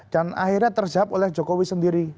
dan akhirnya terjawab oleh jokowi sendiri